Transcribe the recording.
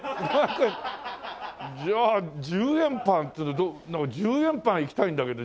じゃあ１０円パンっていうのは１０円パンいきたいんだけど。